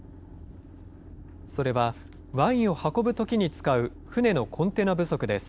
それはワインを運ぶときに使う船のコンテナ不足です。